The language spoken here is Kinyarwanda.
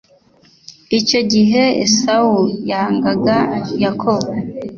Icyo gihe Esawu yangaga Yakobo